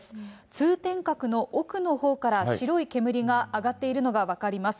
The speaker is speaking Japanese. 通天閣の奥のほうから白い煙が上がっているのが分かります。